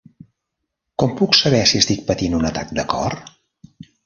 Com puc saber si estic patint un atac de cor?